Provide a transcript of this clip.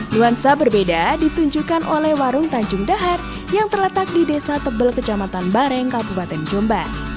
nuansa berbeda ditunjukkan oleh warung tanjung dahar yang terletak di desa tebel kecamatan bareng kabupaten jombang